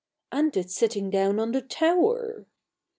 "And it's sitting down on the tower!"